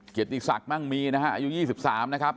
เกดศักดิ์มั้งมีน่ะอายุ๒๓นะครับ